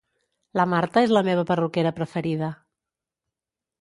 La Marta és la meva perruquera preferida